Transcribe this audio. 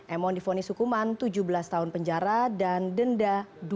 emon difonis hukuman tujuh belas tahun penjara dan denda